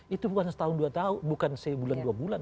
itu bukan setahun dua tahun bukan sebulan dua bulan